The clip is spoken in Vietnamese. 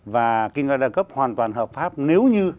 và kinh doanh đa cấp hoàn toàn hợp pháp nếu như